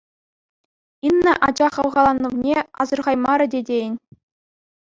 Инна ача хавхаланӑвне асӑрхаймарӗ те тейӗн.